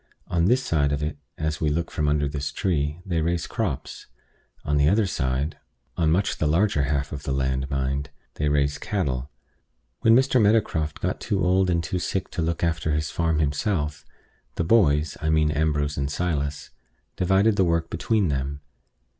On this side of it, as we look from under this tree, they raise crops: on the other side on much the larger half of the land, mind they raise cattle. When Mr. Meadowcroft got too old and too sick to look after his farm himself, the boys (I mean Ambrose and Silas) divided the work between them.